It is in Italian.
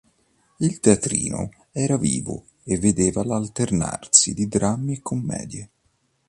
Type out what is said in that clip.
Il Teatrino era vivo e vedeva l’alternarsi di drammi e commedie.